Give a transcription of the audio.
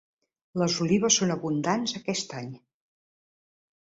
Les olives són abundants aquest any.